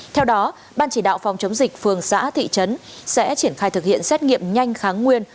theo đó ban chỉ đạo phòng chống dịch phường xã thị trấn sẽ triển khai thực hiện xét nghiệm nhanh kháng nguyên